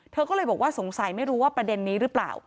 เธอก็เลยบอกว่าสงสัยไม่รู้ว่าประเด็นนี้หรือเปล่า